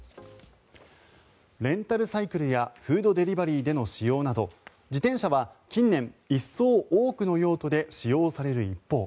レンタルサイクルやフードデリバリーでの使用など自転車は近年、一層多くの用途で使用される一方